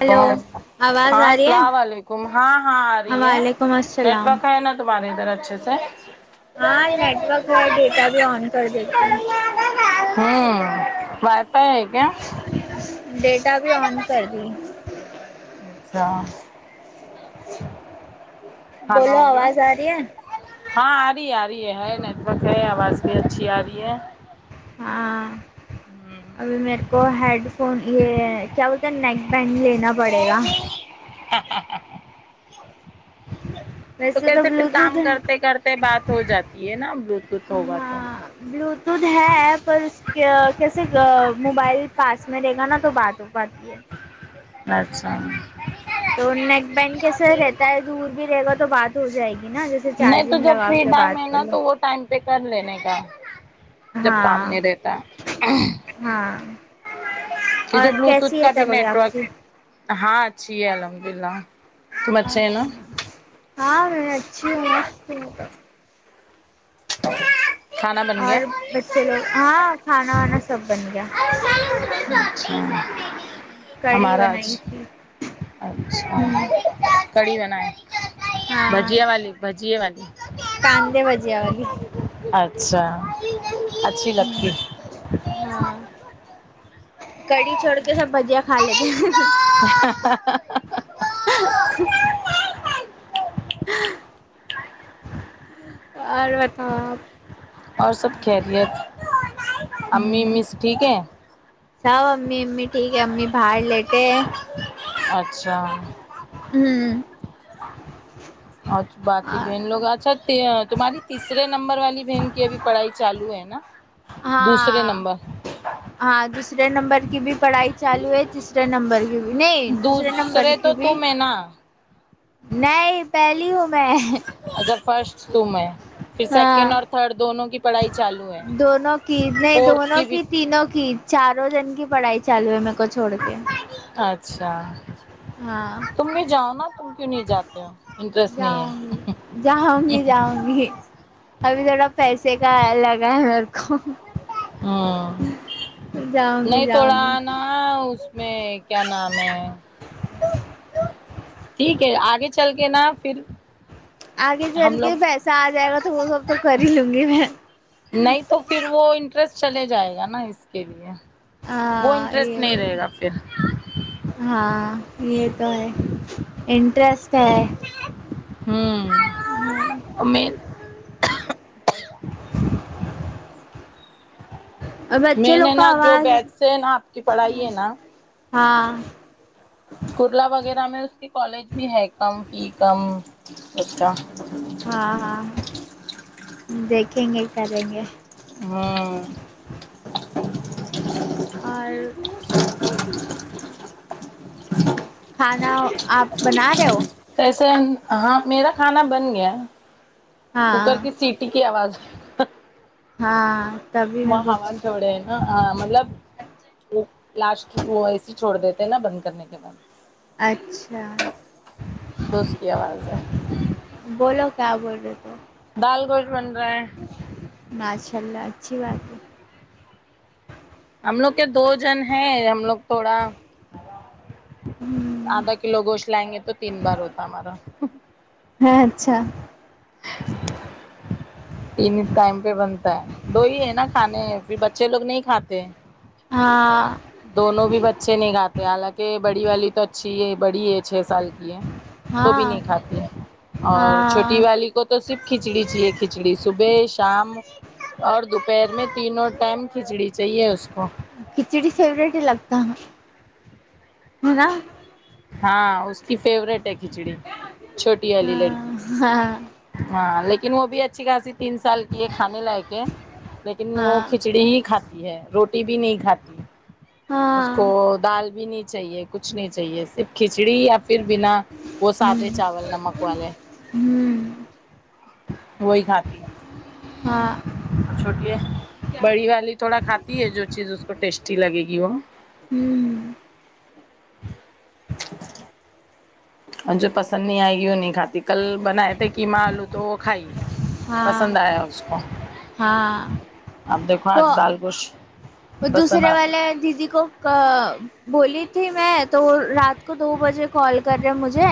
hello آواز ہاں آ رہی السلام ہے علیکم ہاں ہاں آ رہی ہے وعلیکم السلام نیٹورک ہے ن دوبارے ادھر اچھے سے ہاں نیٹورک ہے ڈیٹا بھی آن کر دیتی ہوں ہوں بتا ہے کیا ڈیٹا بھی آن کر دی اچھا کھانا بولو ہو گیا آواز آ رہی ہے ہاں آ رہی آ رہی ہے ہے نیٹورک ہے آواز بھی اچھی آ رہی ہے ہاں ابھی میرے کو ہیڈ فون یہ کیا ہوتا ہے نیک بینڈ لینا پڑے گا ہ تو ویسے کیسے پھر بلوٹوتھ کام ہے، کرتے کرتے بات ہو جاتی ہے نا بلوٹوتھ ہوگا تو ہاں بلوٹوتھ ہے ای پر اس کیسے موبائل پاس میں لے گا نا تو بات ہو پاتی ہے برچان تو نیک بین کیسے رہتا ہے دور بھی رہے گا تو بات ہو جائے گی نا جیسے نہیں تو چارجنگ جب لگا فری کے ٹائم ہے بات کر نا لو تو وہ ٹائم پہ کر لینے کا جب کام ہاں نہیں رہتا ہاں کی جو اور بلوٹوت کیسی ہے کا بھی تب اگر آپ نیٹورک کی ہاں اچھی ہے الحمد للہ تم اچھے ہیں نا ہاں میں نے اچھی ہوں مست ہ اور بچے لوگ ہاں کھانا وانا سب بن گیا ج کڑی ہمارا آج بنائی تھی اچھا ہوں کڑی بنائے ہاں بجیا والی بجیے والی کاندے بے اچھا اچھی لگتی ہوں ہے ہاں کڑھی چھوڑ کے سب بجیا کھا لیتے ہ اور بتاؤ آپ اور سب خیریت امی ہوں مس ٹھیک ہے سب امی امی ٹھیک ہے امی باہر لیتےہے اچھا ہوں اور باقی بہن لوگ اچھا تمہاری تیسرے نمبر والی بہن کی ابھی پڑھائی چالو ہے نا دوسرے نمبر ہ ہاں دوسرے نمبر کی بھی پڑھائی چالو ہے تیسرے نمبر کی بھی نہیں دوسرے نمبر کی بھی تمہے نا نہیں پہلی ہوں میں اگر فرسٹ تو میں پھر سیکنڈ ہاں اور تھرڈ دونوں کی پڑھائی چالو ہے دونوں کی نہیں فورتھ دونوں بھی کی تینوں کی چاروں جن کی پڑھائی چالو ہے مکو چھوڑ کے اچھا ہاں میں جانا تو جاؤں گی جاؤں گی جاؤں گی ابھی تھوڑا پیسے کا لگا ہے میں کو ہاں جاؤں گی نہیں جاؤں تھوڑا گی آنا ہاں اس میں کیا نام ہے ٹھیک ہے آگے چل کے نا پھر آگے چل ہم لوگ کے پیسہ آ جائے گا تو وہ سب تو کر ہی لوں گی میں نہیں تو پھر وہ انٹرسٹ چلے جائے گا نا اس کے لیے وہ ہاں انٹرسٹ یہ نہیں رہے گا پھر ہاں یہ تو ہے انٹرسٹ ہے ہوں ہاں میں اور بچے میں لوگ نے کا نا جو آواز بیچ سے ہے نا آپ کی پڑھائی ہے نا ہاں کرلا وغیرہ میں اس کے کالج بھی ہے کم فی کم اس کا ہاں ہاں دیکھیں گے کریں گے ہاں اور کھانا آپ بنا رہے ہو کیسے ہاں میرا کھانا بن گیا ہاں کوکر کی سیٹی کی آواز ہاں تبھی میں مہاوا پوچھی چھوڑے اں مطلب وہ لاسٹ وہ اے سی چھوڑ دیتے نا بند کرنے کے بعد اچھا تو اس کی آواز ہے بولو کیا بول رہے تھے دال گوش بنرا ہا ہے ماشاء اللہ اچھی بات ہے ہم لوگ کے دو جن ہیں ہم لوگ تھوڑا آدھا کلو گوشت لائیں گے تو تین بار ہوتا ہمارا ہاں اچھا تینی ٹائم پہ بنتا ہے دو ہی ہے نا کھانے پھر بچے لوگ نہیں کھاتے ہاں دونوں بھی بچے اچھے نہیں گاتے حالانکہ بڑی والی تو اچھی ہے بڑی ہے چھ سال کی ہے تو بھی ہاں نہیں کھاتی اور چھوٹی ہاں والی کو تو صرف کھچڑی چاہئے کھچڑی صبح شام اور دوپہر میں تینوں ٹائم کھچڑی چاہیے اس کو کھچڑی فوورٹ ہی لگتا ان کی ہاں اس کی فیوریٹ ہے کھچڑی چھوٹی والی ہاں لڑکی کی ہاں ہاں لیکن وہ بھی اچھی خاصی تین سال کی ہے کھانے لایک کے لیکن وہ ہاں کھچڑی ہی کھاتی ہے روٹی بھی نہیں کھاتی اس کو ہاں دال بھی نہیں چاہیے کچھ نہیں چاہیے صرف کھچڑی یا پھر بنا وہ ہ سادے چاول نمک والے ہوں وہی کھات ہاں چھوٹی ہے بڑی والی تھوڑا کھاتی ہے جو چیز اس کو ٹیسٹی لگے گی وہ ہوں اور جو پسند نہیں آئے گیوں نہیں کھاتی کل بنائے تھے کہ ماں آلو تو کھائی ہاں پسند آیا اس کو ہاں اب دیکھو آج وہ دال گوش وہ دوسرے والے دیدی کو بولی تھی میں تو رات کو دو بجے کال کر رہے مجھے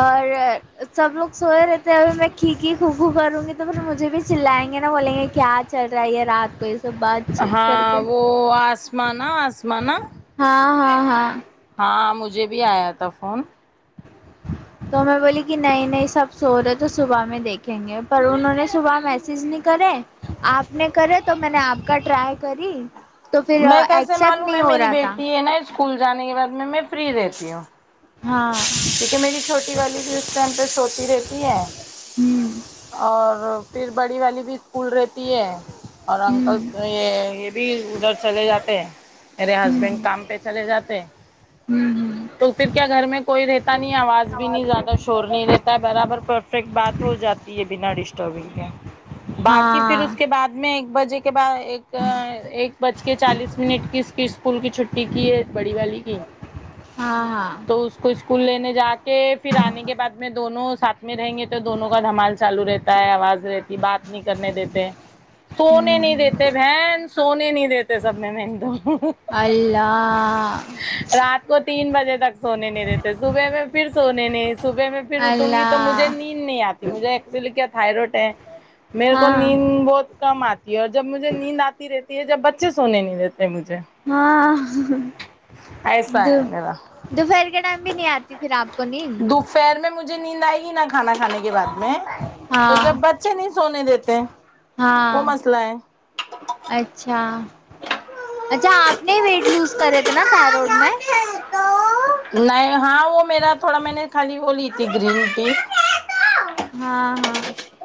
اور سب لوگ سوے رہے تھے اب میں کھکی کھکھو کروں گی تو پھر مجھے بھی چلائیں گے نا بولیں گے کیا چل رہا ہے یہ رات کو یہ سب بات چیت کر کے وہ آسمانا آسمانا ہاں ہاں ہاں ہاں مجھے بھی آیا تھا فون تو میں بولی کہ نئی نئی سب سو رہے تو صبح میں دیکھیں گے پر انہوں نے صبح میسج نہیں کرے آپ نے کرے تو میں نے آپ کا ٹرائی کری تو پھر میں کیسے ایکسپٹ معلوم نہیں ہے ہو میری رہا تھا بیٹی ہے نا اسکول جانے کے بعد میں میں فری رہتی ہوں ہاں کیونکہ میری چھوٹی والی بھی اس ٹائم پہ سوتی رہتی ہے ہوں اور پھر بڑی والی بھی اسکول رہتی ہے اور ہوں انکل یہ یہ بھی ادھر چلے جاتے ہیں میرے ہسبینڈ ہوں کام پہ چلے جاتے ہوں ہوں تو پھر کیا گھر میں کوئی رہتا نہیں آواز بھی نہیں زیادہ شور نہیں رہتا ہے برابر پرفیکٹ بات ہو جاتی ہے بنا دش باقی پھر اس ہاں کے بعد میں ایک بجے کے بعد ایک ایک بج کے چالیس منٹ کی اس قسط اسکول کی چھٹی کی ہے بڑی والی کی ہاں ہاں تو اس کو اسکول لینے جا کے پھر آنے کے بعد میں دونوں ساتھ میں رہیں گے تو دونوں کا دھمال چالو رہ تا ہے آواز رہتی بات نہیں کرنے دیتے سونے نہیں ہوں دیتے بہن سونے نہیں دیتے سب میں میں ایک تو اللہ رات کو تین بجے تک سونے نہیں دیتے صبح میں پھر سونے نہیں صبح میں پھر اٹوں گی تو مجھے اللہ نیند نہیں آتی مجھے ایکچولی کیا تھاائرائڈ ہے میرے کو ہاں نیند بہت کم آتی ہے اور جب مجھے نیند آتی رہتی ہے جب بچے سونے نہیں دیتے مجھے ہاں ایسا دو ہے میرا دوپہر کے ٹائم بھی نہیں آتی پھر آپ کو نیند خیر میں مجھے نیند آئی ہی نا کھانا کھانے کے بعد میں تو جب ہاں بچے نہیں سونے دیتے ہاں وہ مسئلہ ہے اچھا اچھا آپ نے ویٹ لوز کرے تھے نا تروڈ میں نہیں ہاں وہ میرا تھوڑا میں نے خالی وہ لی تھی گرین ٹیک ہاں ہاں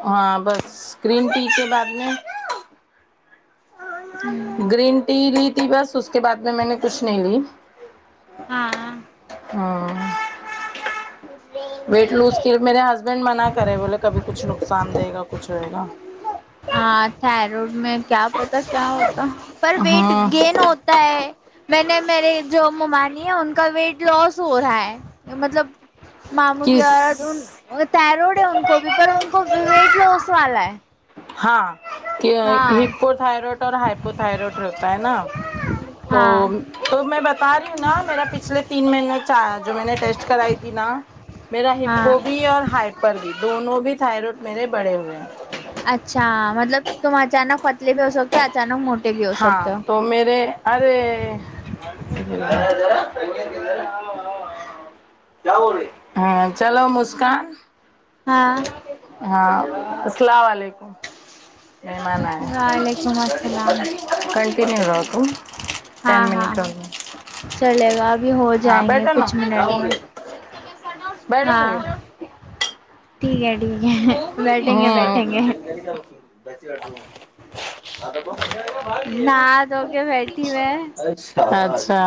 ہاں بس گرین ٹی کے بعد میں ہوں گرین ٹی لی تھی بس اس کے بعد میں میں نے کچھ نہیں لی ہاں ہ ویٹ لوز کی میرے ہسبنڈ منا کرے بولے کبھی کچھ نقصان دے گا کچھ ہوئے گا ہاں تھائرائڈ میں کیا پتا کیا ہوتا پر ویٹ ہاں گین ہوتا تا ہے میں نے میرے جو ممانی ہے ان کا ویٹ لاس ہو رہا ہے مطلب ماموں کی کس عورت تھائرائیڈ ہے ان کو بھی پر ان کو ویٹ لوس والا ہے ہاں کہ ہاں ہپو تھائرائڈ اور ہائپو تھائرائڈ رہتا ہے نا تو ہاں تو میں بتا رہی ہوں نا میرا پچھلے تین مہینے جو میں نے ٹیسٹ کرائی تھی نا میرا ہاں ہپو بھی اور ہائپر بھی دونوں بھی تھائرائڈ میرے بڑے ہوئے ہیں اچھا مطلب تم اچانک پتلے بھی ہو سکتے اچانک موٹ ہاں تو میرے ارے کیا بول رہی ہ چلو مسکان ہاں ہاں السلام وعلیکم ائی ایم وں لائن وعلیکم السلام کنٹیینو رکھو ٹین ہاں ہاں ہاں منٹس چلے گا ابھی ہو ہاں جائیں گے بیٹہو نا کچھ منٹ میں بیٹھو کھا ڑے رہو ہاں ٹھیک ہے ٹھیک ہے بیٹھیں گے بیٹھیں گے [unintelligible] [unintelligible] نہا دھو کے بیٹھی میں اچھا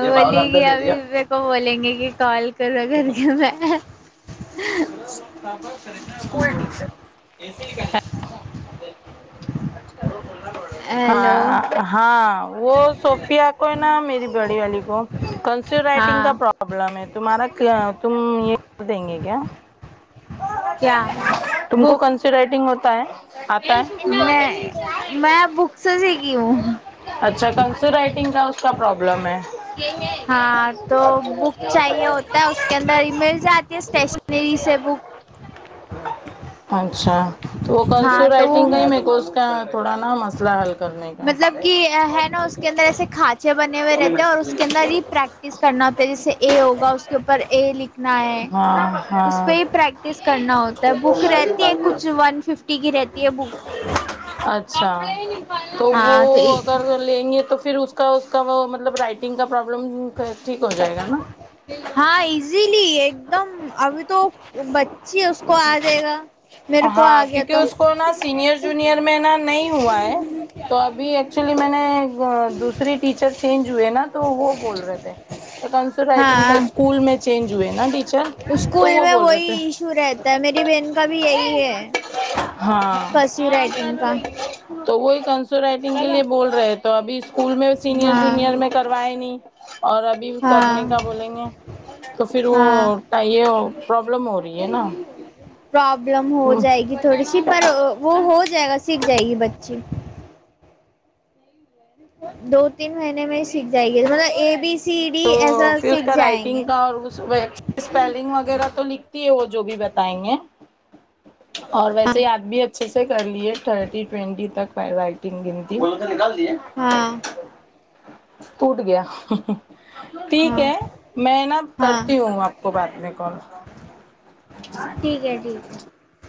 یہ باولا اندر گ لے ابھی لیا میرے کو بولیں گے کہ کال کرو گھر کے میں [unintelligible] [inaudible] ا خندنا بڑ ہے [inaudible] ہیلو ہاں ہاں وہ صوفیا کو ہے نہ میری بڑی والی کو کرسیو رائٹنگ کا ہاں پرابلم ہے تمہارا کیا تم یہ کر دیں گے کیا کیا تم کو بک کرسیو رائٹنگ ہوتا ہے آتا ہے میں میں بک سے سیکھی اچھا کرسیو ہوں رائٹنگ کا اس کا پرابلم ہے ہاں تو بک چاہیے ہوتا ہے اس کے اندر ہی مل جاتی ہے اسٹیشنری سے بک اچھا تو وہ ہاں کرسیو تو وہ رائٹنگ کا ہے میرے کو اس کا تھوڑا نا مسئلہ حل کر مطلب کہ ہے نا اس کے اندر ایسے کھانچے بنے ہوئے رہتے ہیں اور اس کے اندر ہی پریک کرنا ہوتا ہے جیسے اے ہوگا اس کے اوپر اے لکھنا ہے ہاں اس ہاں پہ ہی پریکٹس کرنا ہوتا ہے بک رہتی ہے کچھ ون ففٹی کی رہتی ہے بک اچھا تو وہ ہاں تو اگر لیں گے تو پھر اس کا اس کا وہ مطلب رائٹنگ کا پرابلم ٹھیک ہو جائے گا نا ہاں ایزیلی ایک دم ابھی تو بچی اس کو آ جائے گا میرے کو ہاں آ گیا کیونکہ تو اس کو نا سینئر جونیئر میں نا نہیں ہوا ہے تو ابھی ایکچولی میں نے دوسری ٹیچر چینج ہوئے نا تو وہ بول رہے تھے ایک کرسیو رائٹنگ کا ہاں اسکول میں چینج ہوئے نا ڈ اسکول میں وہی ایشو رہتا ہے میری بہن کا بھی یہی ہے ہاں کرسیو رائٹنگ کا تو وہ ایک کرسیو رائٹنگ کے لیے بول رہے تو ابھی اسکول میں سینئر ہاں جونئر میں وہ آۓ اور ابھی کرنے ہاں کا بولیں گے تو پھر وہ ہاں کیا یہ پرابلم ہو رہی ہے نا پرابلم ہو جائے گی تھوڑی سی پر وہ ہو جائے گا سیکھ جائے گی بچی دو تین مہینے میں سیکھ جائے گی مطلب A B C C D تو ایف جی پھر اس کا رائٹنگ کا اور اس میں اسپیلنگ وغیرہ تو لکھتی ہے وہ جو بھی بتائیں گے اور ہاں ویسے ہی آپ بھی اچھے سے کر لیے تھرٹی ٹوینٹی تک بی رائٹنگ گنتی ہاں ٹوٹ گیا ٹھیک ہاں ہے میں نا ہاں کرتی ہوں آپ کو بعد میں کال یہ ٹھیک ہے